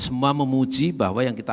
semua memuji bahwa yang kita